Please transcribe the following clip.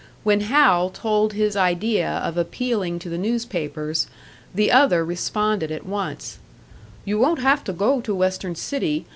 When Hal told his idea of appealing to the newspapers, the other responded at once, "You won't have to go to Western City.